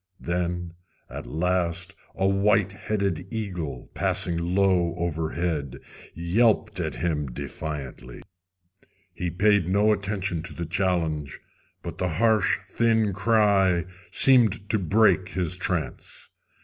Then at last a white headed eagle, passing low overhead, yelped at him defiantly. He paid no attention to the challenge, but the harsh, thin cry seemed to break his trance.